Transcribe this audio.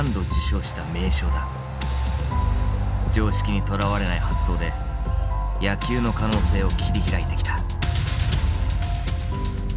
常識にとらわれない発想で野球の可能性を切り開いてきた。